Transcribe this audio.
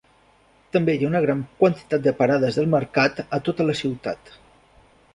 També hi ha una gran quantitat de parades del mercat a tota la ciutat.